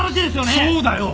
そうだよ！